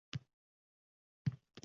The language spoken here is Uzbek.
Chunki: